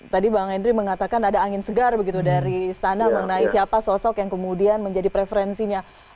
tadi bang henry mengatakan ada angin segar begitu dari istana mengenai siapa sosok yang kemudian menjadi preferensinya